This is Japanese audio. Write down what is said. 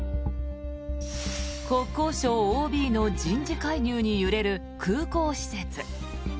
国交省ＯＢの人事介入に揺れる空港施設。